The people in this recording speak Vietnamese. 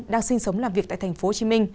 đang sinh sống làm việc tại tp hcm